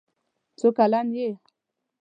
څو کلن یې؟